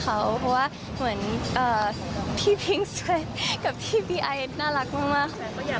เพราะว่าเหมือนพี่พิ้งสเวทกับพี่บีไอเห็นน่ารักมาก